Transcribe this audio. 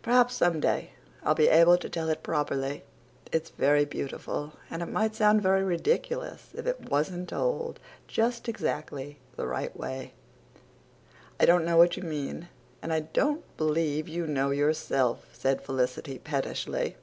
Perhaps some day I'll be able to tell it properly. It's very beautiful but it might sound very ridiculous if it wasn't told just exactly the right way." "I don't know what you mean, and I don't believe you know yourself," said Felicity pettishly.